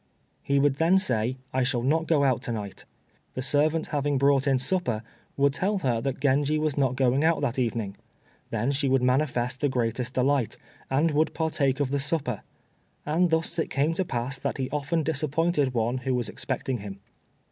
He would then say, "I shall not go out to night." The servant having brought in supper, would tell her that Genji was not going out that evening. Then she would manifest the greatest delight, and would partake of the supper. And thus it came to pass that he often disappointed one who was expecting him.